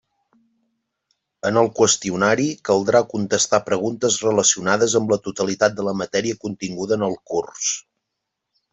En el qüestionari caldrà contestar preguntes relacionades amb la totalitat de la matèria continguda en el curs.